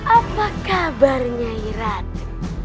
apa kabarnya ratu